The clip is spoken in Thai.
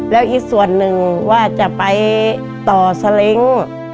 แล้วอีกส่วนหนึ่งว่าจะไปต่อสเล้ง